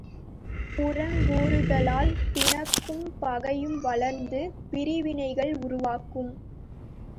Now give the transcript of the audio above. புறங்கூறுதலால் பிணக்கும் பகையும் வளர்ந்து பிரிவினைகள் உருவாகும்.